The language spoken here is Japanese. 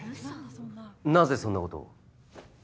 なぜそんなことを？